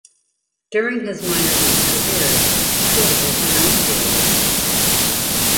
During his minor league career, Kerr was an outfielder.